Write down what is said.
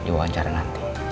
di wawancara nanti